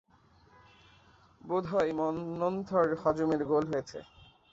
বোধ হয় মন্মথর হজমের গোল হয়েছে।